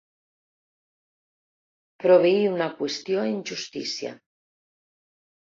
Proveir una qüestió en justícia.